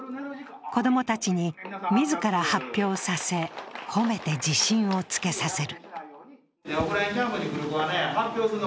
子供たちに自ら発表させ、褒めて自信をつけさせる。